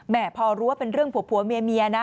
พอรู้ว่าเป็นเรื่องผัวเมียนะ